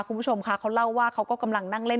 คุณผู้ชมค่ะเขาเล่าว่าเขาก็กำลังนั่งเล่น